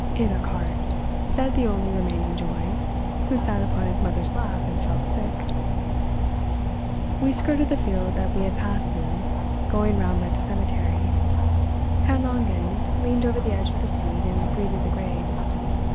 "In a cart," said the only remaining joy, who sat upon his mother's lap and felt sick. We skirted the field that we had passed through, going round by the cemetery. Herr Langen leaned over the edge of the seat and greeted the graves.